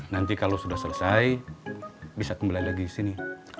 nanti kalau sudah selesai bisa kembali lagi ke sini